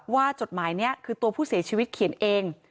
จดหมายนี้คือตัวผู้เสียชีวิตเขียนเอง